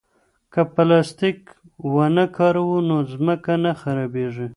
که پلاستیک ونه کاروو نو ځمکه نه خرابېږي.